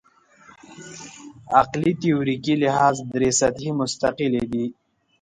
عقلي تیوریکي لحاظ درې سطحې مستقلې دي.